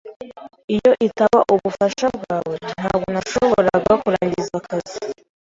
Iyo itaba ubufasha bwawe, ntabwo nashoboraga kurangiza akazi.